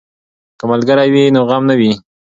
که ملګری وي نو غم نه وي.